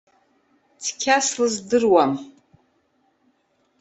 Цқьа слыздыруам.